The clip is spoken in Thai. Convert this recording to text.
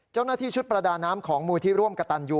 เจ้าหน้าที่ชุดประดาน้ำของมูลที่ร่วมกระตันยู